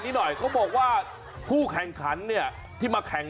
นี่หนึ่งเดียวในโลกต่าง